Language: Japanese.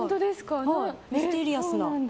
ミステリアスな。